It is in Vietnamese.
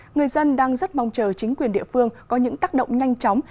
người dân đang rất mong chờ chính quyền địa phương có những tác động nhanh chóng